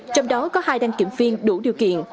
trong đó có hai đăng kiểm viên đủ điều kiện